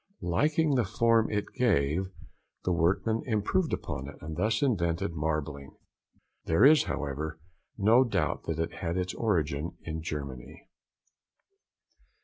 Liking the form it gave, the workman improved upon it and thus invented marbling. There is, however, no doubt that it had its origin in Germany.